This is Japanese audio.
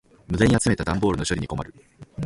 無駄に集めた段ボールの処理に困る。